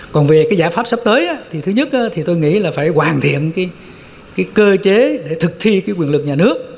còn về cái giải pháp sắp tới thì thứ nhất thì tôi nghĩ là phải hoàn thiện cái cơ chế để thực thi cái quyền lực nhà nước